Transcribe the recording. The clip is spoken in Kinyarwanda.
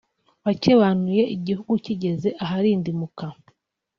wakebanuye igihugu kigeze aharindimuka